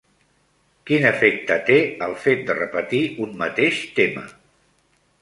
Quin efecte té el fet de repetir un mateix tema?